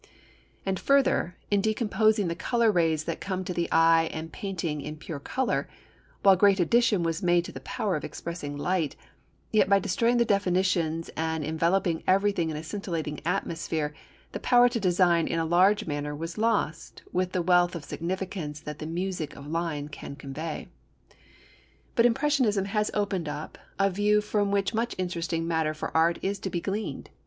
And further, in decomposing the colour rays that come to the eye and painting in pure colour, while great addition was made to the power of expressing light, yet by destroying the definitions and enveloping everything in a scintillating atmosphere, the power to design in a large manner was lost with the wealth of significance that the music of line can convey. But impressionism has opened up a view from which much interesting matter for art is to be gleaned.